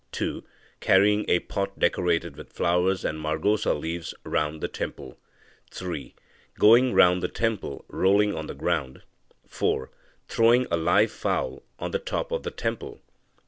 (2) Carrying a pot decorated with flowers and margosa leaves round the temple. (3) Going round the temple, rolling on the ground. (4) Throwing a live fowl on to the top of the temple.